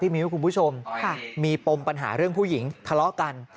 มิ้วคุณผู้ชมมีปมปัญหาเรื่องผู้หญิงทะเลาะกัน